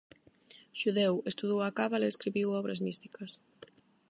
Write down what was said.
Xudeu, estudou a cábala e escribiu obras místicas.